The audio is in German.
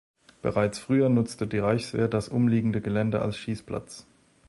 Bereits früher nutzte die Reichswehr das umliegende Gelände als Schießplatz.